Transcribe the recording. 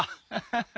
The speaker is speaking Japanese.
ハハハッ。